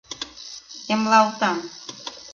— Эмлалтам.